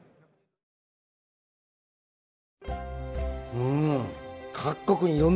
うん。